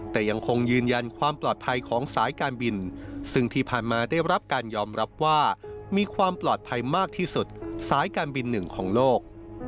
แต่ยังคงยืนยันความปลอดภัยของสายการบินซึ่งที่ผ่านมาได้รับการยอมรับว่ามีความปลอดภัยมากที่สุดสายการบินหนึ่งของโลก